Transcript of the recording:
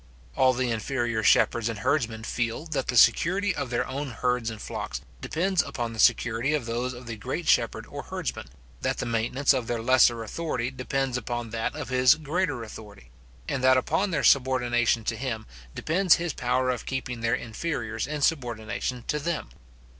All the inferior shepherds and herdsmen feel, that the security of their own herds and flocks depends upon the security of those of the great shepherd or herdsman; that the maintenance of their lesser authority depends upon that of his greater authority; and that upon their subordination to him depends his power of keeping their inferiors in subordination to them.